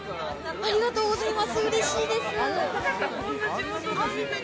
ありがとうございます。